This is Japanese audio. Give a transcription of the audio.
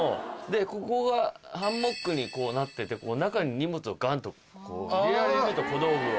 ここがハンモックになってて中に荷物をガンっと入れられると小道具を。